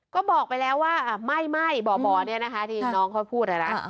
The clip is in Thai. ก็บอกไปแล้วว่าไม่บ่อเนี่ยนะคะที่น้องเขาพูดเลยนะ